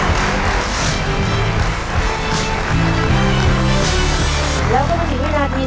ดีกว่านี้เป็นสิ่งที่จะให้คุณโอ้มต้องไปสร้าง